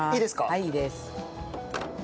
はいいいです。